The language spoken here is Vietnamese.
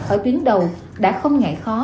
ở biến đầu đã không ngại khó